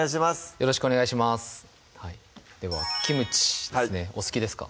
よろしくお願いしますではキムチですねお好きですか？